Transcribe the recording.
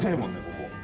ここ。